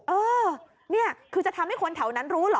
เออนี่คือจะทำให้คนแถวนั้นรู้เหรอ